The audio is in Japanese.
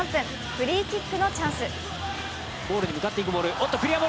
フリーキックのチャンス。